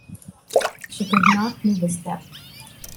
She could not move a step.